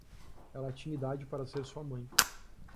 Ela tinha idade para ser sua mãe.